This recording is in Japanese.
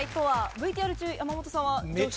ＶＴＲ中、山本さんは。